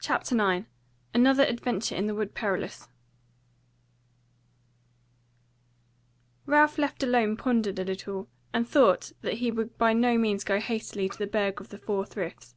CHAPTER 9 Another Adventure in the Wood Perilous Ralph left alone pondered a little; and thought that he would by no means go hastily to the Burg of the Four Friths.